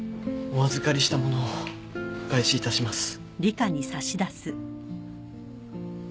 お預かりしたものをお返しいたします。